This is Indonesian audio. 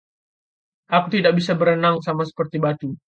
Aku tidak bisa berenang, sama seperti batu.